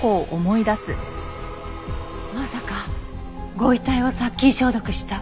まさかご遺体を殺菌消毒した。